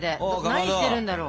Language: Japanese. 何してるんだろう？